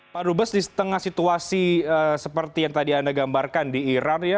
pak rubes di setengah situasi seperti yang tadi anda gambarkan di iran